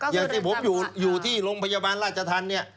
อย่างที่ผมอยู่ที่โรงพยาบาลราชธรรมเนี่ย